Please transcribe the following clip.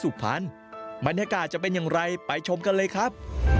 บรรยากาศจะเป็นอย่างไรไปชมกันเลยครับ